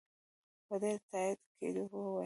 په ډېر تاءکید وویل.